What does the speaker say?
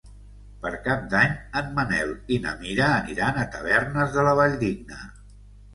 Per Cap d'Any en Manel i na Mira aniran a Tavernes de la Valldigna.